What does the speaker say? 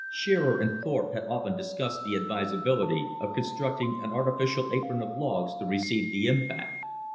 Shearer and Thorpe had often discussed the advisability of constructing an artificial apron of logs to receive the impact.